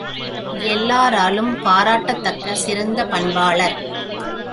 எல்லாராலும் பாராட்டத்தக்க சிறந்த பண்பாளர்!